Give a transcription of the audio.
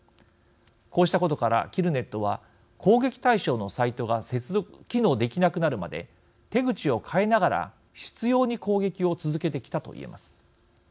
こうしたことから、キルネットは攻撃対象のサイトが機能できなくなるまで手口を変えながら執ように攻撃を続けてきたといえます。